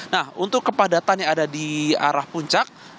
nah untuk kepadatan yang ada di arah puncak